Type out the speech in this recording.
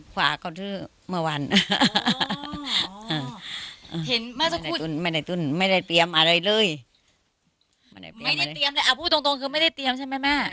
พูดตรงคือไม่ได้เตรียมใช่ไหมแม่